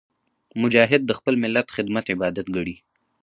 مجاهد د خپل ملت خدمت عبادت ګڼي.